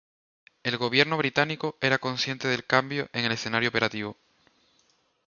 El gobierno británico era consciente del cambio en el escenario operativo.